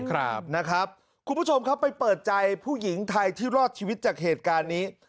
คุณผู้ชมครับไปเปิดใจผู้หญิงไทยที่รอดชีวิตจากเหตุการณ์นี้